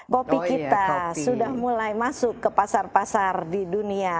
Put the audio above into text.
kopi kita sudah mulai masuk ke pasar pasar di dunia